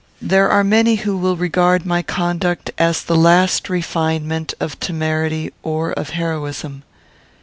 There are many who will regard my conduct as the last refinement of temerity, or of heroism.